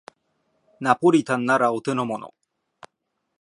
ナポリタンならお手のもの